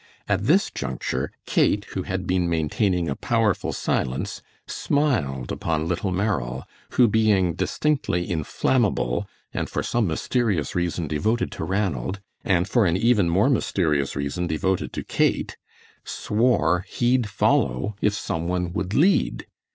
At this juncture Kate, who had been maintaining a powerful silence, smiled upon Little Merrill, who being distinctly inflammable, and for some mysterious reason devoted to Ranald, and for an even more mysterious reason devoted to Kate, swore he'd follow if some one would lead.